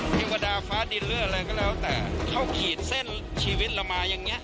เทวดาฟ้าดินหรืออะไรก็แล้วแต่เขาขีดเส้นชีวิตเรามาอย่างนี้